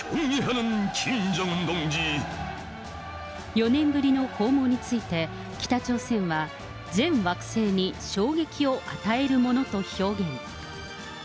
４年ぶりの訪問について、北朝鮮は全惑星に衝撃を与えるものと表現。